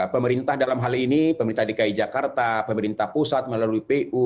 pemerintah dalam hal ini pemerintah dki jakarta pemerintah pusat melalui pu